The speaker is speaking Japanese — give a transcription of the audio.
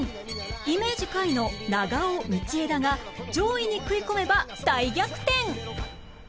イメージ下位の長尾道枝が上位に食い込めば大逆転！